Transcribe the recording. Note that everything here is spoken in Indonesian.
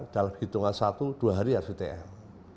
dalam hitungan satu dua hari harus di tl